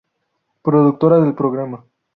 Productora del programa.